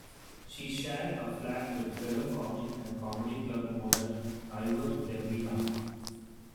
She shared a flat with fellow comic and comedy club owner Ivor Dembina.